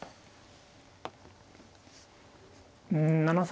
うん７四